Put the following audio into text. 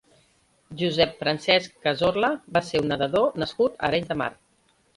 Josep Francesch Cazorla va ser un nedador nascut a Arenys de Mar.